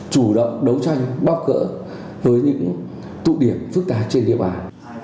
chủ động đấu tranh bóp cỡ với những tụ điểm phức tạp trên địa bàn